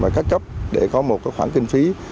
và các cấp để có một khoản kinh phí